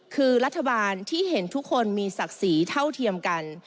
คือรัฐบาลที่เห็นทุกคนมีศักดิ์ศรีเท่าเทียมกัน